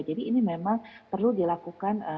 jadi ini memang perlu dilakukan